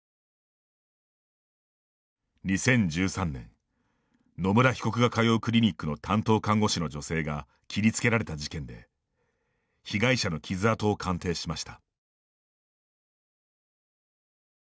２０１３年野村被告が通うクリニックの担当看護師の女性が切り付けられた事件で被害者の傷跡を鑑定しました。